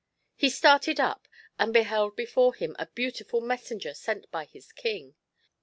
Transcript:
He started up, and beheld before him a beautiful messenger sent by his King.